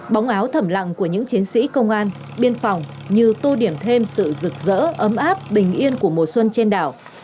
bóng áo thầm lặng của những chiến sĩ công an biên phòng như tô điểm thêm sự rực rỡ ấm áp bình yên của mùa xuân trên đảo